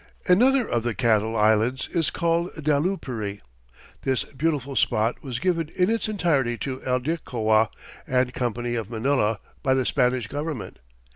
Another of the cattle islands is called Dalupiri. This beautiful spot was given in its entirety to Aldecoa and Company of Manila by the Spanish government.